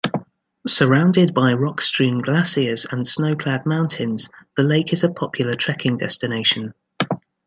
Surrounded by rock-strewn glaciers and snow-clad mountains, the lake is a popular trekking destination.